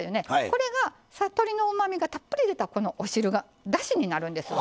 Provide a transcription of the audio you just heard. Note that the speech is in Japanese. これが鶏のうまみがたっぷり出たこのお汁がだしになるんですわ。